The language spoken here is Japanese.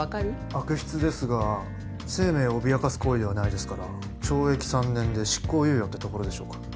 悪質ですが生命を脅かす行為ではないですから懲役３年で執行猶予ってところでしょうか。